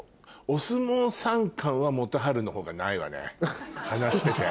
お相撲さん感は元春のほうがないわね話してて。